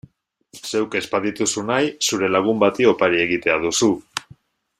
Zeuk ez badituzu nahi zure lagun bati opari egitea duzu.